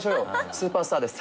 スーパースターです。